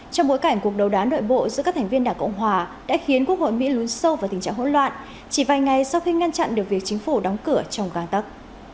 trong bối cảnh cuộc đấu đán đội bộ giữa các thành viên đảng cộng hòa đã khiến quốc hội mỹ lún sâu vào tình trạng hỗn loạn chỉ vài ngày sau khi ngăn chặn được việc chính phủ đóng cửa trong găng tắc